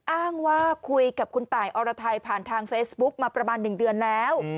อ้างว่าคุยกับคุณตายอรไทยผ่านทางเฟซบุ๊กมาประมาณ๑เดือนแล้ว